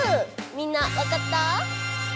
みんなわかった？